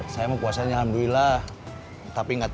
saya mau puasanya alhamdulillah